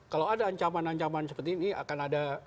kalau ada ancaman ancaman seperti ini akan ada